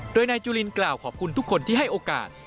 โดยนายจุลินกล่าวขอบคุณทุกคนที่ให้โอกาส